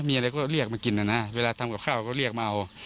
มีอะไรก็เรียกมากินนะนะเวลาทำกับข้าวก็เรียกมาเอา